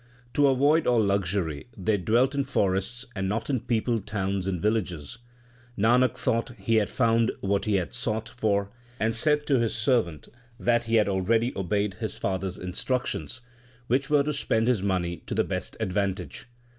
To avoid all luxury they dwelt in forests, and not in peopled towns and villages. Nanak thought he had found what he had sought for, and said to his servant that he had already obeyed his father s instructions, which were to spend his money to the best advantage.